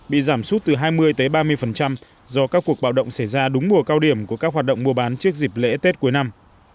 bị giảm suốt từ hai mươi ba mươi do các cuộc bạo động xảy ra đúng mùa cao điểm của các hoạt động mua bán trước dịp lễ tết cuối năm